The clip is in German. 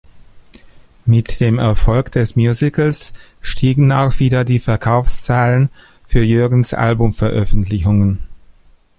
Mit dem Erfolg des Musicals stiegen auch wieder die Verkaufszahlen für Jürgens’ Albumveröffentlichungen.